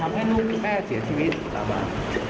ใครทำให้ลูกแม่เสียชีวิต